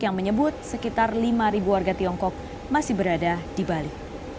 yang menyebut sekitar lima warga tiongkok masih berada di bali